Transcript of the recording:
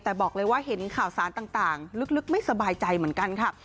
แต่บอกเลยว่าเห็นข่าวสารต่างลึกไม่สบายใจเหมือนกันค่ะ